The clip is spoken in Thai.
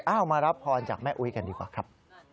มารับพรจากแม่อุ๊ยกันดีกว่าครับ